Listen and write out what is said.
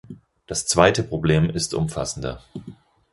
Das zweite Problem ist umfassender.